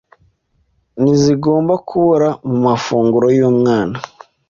ntizigomba kubura mu mafunguro y’umwana